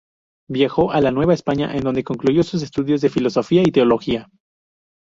Viajó a la Nueva España en donde concluyó sus estudios de filosofía y teología.